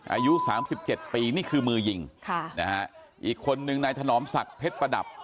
อายุ๓๗ปีนี่คือมือหญิงอีกคนนึงนายถนอมศักดิ์เพชรประดับ